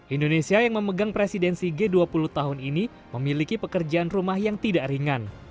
indonesia yang memegang presidensi g dua puluh tahun ini memiliki pekerjaan rumah yang tidak ringan